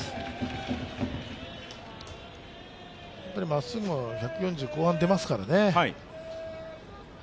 まっすぐも１４０後半出ますからね。